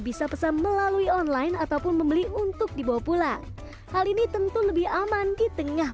bisa pesan melalui online ataupun membeli untuk dibawa pulang hal ini tentu lebih aman di tengah